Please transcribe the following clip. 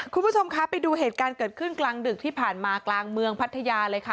คุณผู้ชมคะไปดูเหตุการณ์เกิดขึ้นกลางดึกที่ผ่านมากลางเมืองพัทยาเลยค่ะ